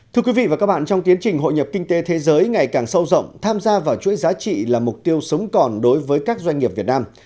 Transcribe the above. thưa quý vị và các bạn trong tiến trình hội nhập kinh tế thế giới ngày càng sâu rộng tham gia vào chuỗi giá trị là mục tiêu sống còn đối với các doanh nghiệp việt nam